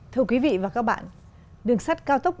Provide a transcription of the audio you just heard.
thưa quý vị và các bạn đường sắt cao tốc